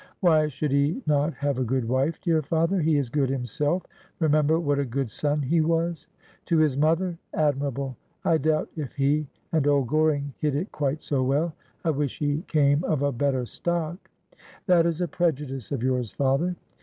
' Why should he not have a good wife, dear father ? He is good himself. Remember what a good son he was.' ' To his mother, admirable. I doubt if he and old Goring hit it quite so well. I wish he came of a better stock.' ' That is a prejudice of yours, father.'